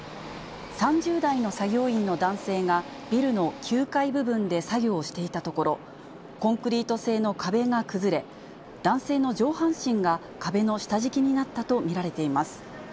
３０代の作業員の男性が、ビルの９階部分で作業をしていたところ、コンクリート製の壁が崩れ、男性の上半身が壁の下敷きになったと見られています。